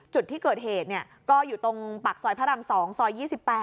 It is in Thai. จุดที่เกิดเหตุก็อยู่ตรงปากซอยพระราม๒ซอย๒๘